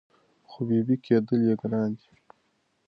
خو بېبي کېدل یې ګران دي